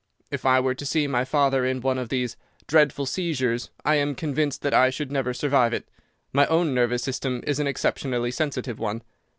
If I were to see my father in one of these dreadful seizures I am convinced that I should never survive it. My own nervous system is an exceptionally sensitive one.